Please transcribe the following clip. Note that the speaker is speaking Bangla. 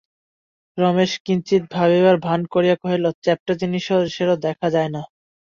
রমেশ কিঞ্চিৎ ভাবিবার ভান করিয়া কহিল, চ্যাপ্টা জিনিসেরও দেখা যায় না।